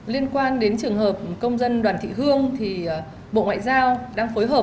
liên quan đến trường hợp công dân đoàn thị hương thì bộ ngoại giao đang phối hợp